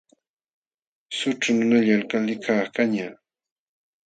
Sućhu nunallam Alcaldekaq kañaq.